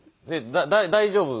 大丈夫？